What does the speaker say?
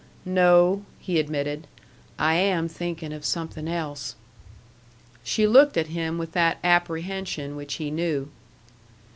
"No," he admitted; "I am thinking of something else." She looked at him with that apprehension which he knew.